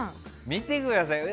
見てくださいよ。